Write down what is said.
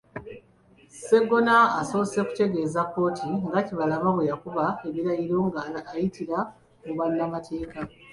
Sseggona asoose kutegeeza kkooti nga Kibalama bwe yakuba ebirayiro ng'ayitira mu bannamateeka.